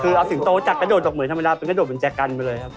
คือเอาสิริงโตจากกระโดดกับมือธรรมดาเป็นกระโดดบนแจกันเลยครับ